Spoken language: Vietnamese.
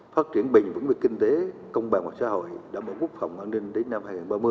phát triển bình vững về kinh tế công bằng và xã hội đảm bảo quốc phòng an ninh đến năm hai nghìn ba mươi